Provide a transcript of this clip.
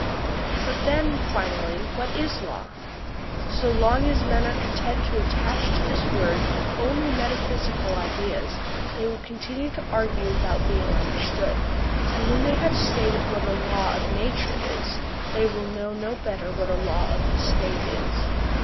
But then, finally, what is a law ? So long as men are content to attach to this word only metaphysical ideas, they will continue to argue without being understood; and when they have stated what a law of nature is, they will know no better what a law of the State is.